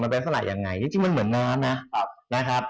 มันเป็นสลัดยังไงจริงมันเหมือนน้ำนะ